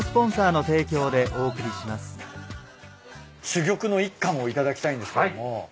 珠玉の一貫を頂きたいんですけども。